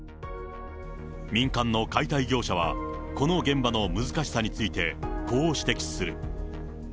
民間の解体業者はこの現場の難しさについて、こう指摘する。